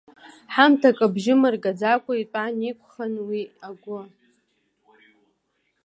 Ҳамҭак абжьы мыргаӡакәа, итәан, иқәхан уи агәы.